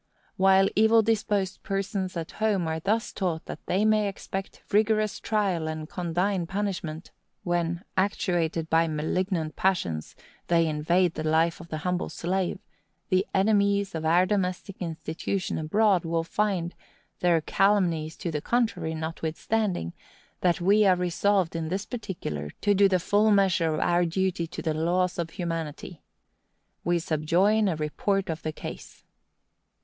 While evil disposed persons at home are thus taught that they may expect rigorous trial and condign punishment, when, actuated by malignant passions, they invade the life of the humble slave, the enemies of our domestic institution abroad will find, their calumnies to the contrary notwithstanding, that we are resolved, in this particular, to do the full measure of our duty to the laws of humanity. We subjoin a report of the case.